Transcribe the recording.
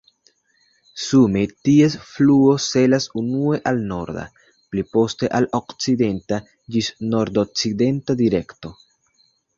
Sume ties fluo celas unue al norda, pli poste al okcidenta ĝis nordokcidenta direkto.